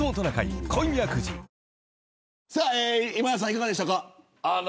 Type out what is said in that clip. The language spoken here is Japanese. いかがでしたか。